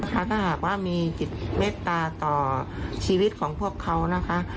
ถ้าหากว่ามีจิตเมตตาต่อชีวิตของพวกเขานะคะ